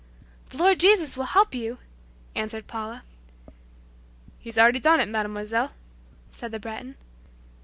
"The Lord Jesus will help you," answered Paula. "He's already done it, Mademoiselle," said the Breton.